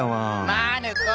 マヌ子。